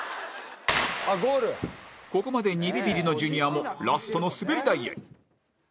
ここまで２ビビリのジュニアもラストの滑り台へ